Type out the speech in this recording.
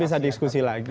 kita bisa diskusi lagi